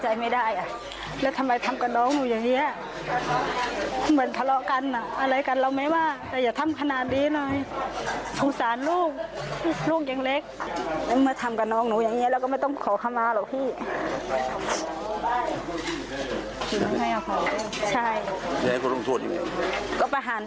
จะอย่าทำขนาดนี้หน่อยสูงสารลูก